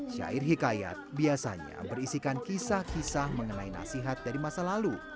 syair hikayat biasanya berisikan kisah kisah mengenai nasihat dari masa lalu